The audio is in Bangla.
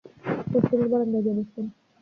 পশ্চিমের বারান্দায় গিয়ে বসলুম।